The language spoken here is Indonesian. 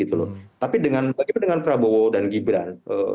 tapi bagaimana dengan prabowo dan gibran